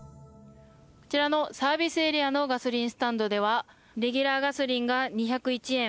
こちらのサービスエリアのガソリンスタンドではレギュラーガソリンが２０１円